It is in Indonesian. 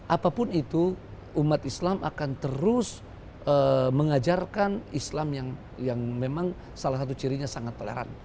apapun itu umat islam akan terus mengajarkan islam yang memang salah satu cirinya sangat toleran